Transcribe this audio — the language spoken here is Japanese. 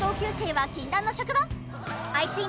はい。